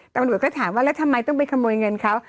ตำรวจก็ถามว่าแล้วทำไมต้องไปขโมยเงินเขา